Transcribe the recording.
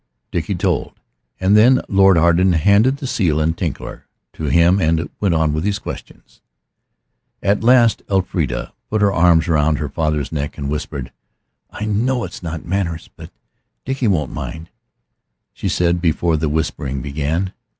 Dickie told. And then Lord Arden handed the seal and Tinkler to him and went on with his questions. At last Elfrida put her arms round her father's neck and whispered. "I know it's not manners, but Dickie won't mind," she said before the whispering began.